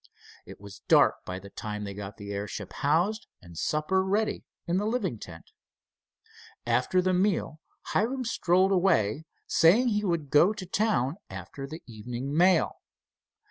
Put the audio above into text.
It was dark by the time they got the airship housed and supper ready in the living tent. After the meal Hiram strolled away, saying he would go to town after the evening mail.